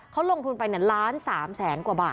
คุณประสิทธิ์ทราบรึเปล่าคะว่า